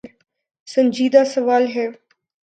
سنجیدہ سوال ہے۔